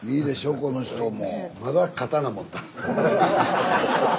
この人も。